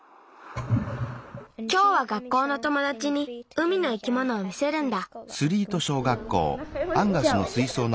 きょうは学校のともだちに海の生き物を見せるんだ。